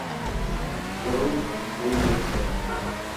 زرور ڦل ملسي .